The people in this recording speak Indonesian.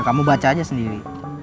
kamu nggak kesana kali